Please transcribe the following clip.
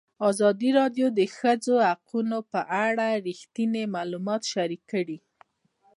ازادي راډیو د د ښځو حقونه په اړه رښتیني معلومات شریک کړي.